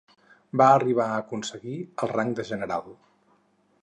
Va arribar a aconseguir el rang de general.